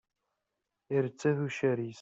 Iretta tuccar-is.